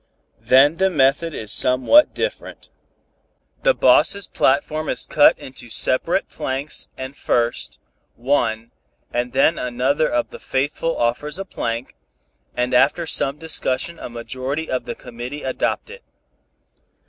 Then the method is somewhat different. The boss' platform is cut into separate planks and first one and then another of the faithful offers a plank, and after some discussion a majority of the committee adopt it.